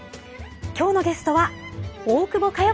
今日のゲストは大久保佳代子さんです。